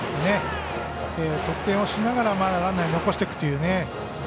得点をしながらランナーを残していくという。